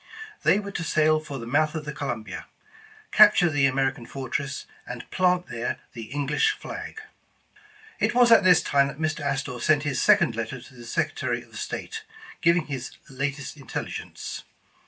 They were to sail for the mouth of the Columbia, capture the American fortress, and plant there the English flag. It was at this time that Mr. Astor sent his second letter to the Secretary of State, giving this latest in telligence.